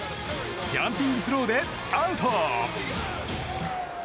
ジャンピングスローでアウト！